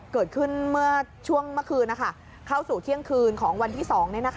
เกิดขึ้นเมื่อช่วงเมื่อคืนเข้าสู่เที่ยงคืนของวันที่๒